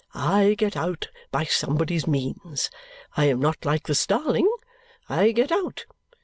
I get out by somebody's means; I am not like the starling; I get out.